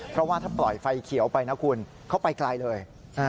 เพราะว่าถ้าปล่อยไฟเขียวไปนะคุณเขาไปไกลเลย